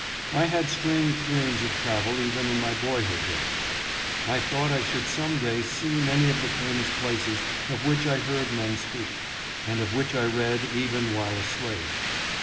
I had strange dreams of travel even in my boyhood days. I thought I should some day see many of the famous places of which I heard men speak, and of which I read even while a slave.